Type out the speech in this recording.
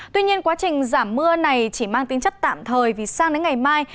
tuy nhiên quá trình giảm mưa này chỉ mang tính chất tạm thời vì sang đến ngày mai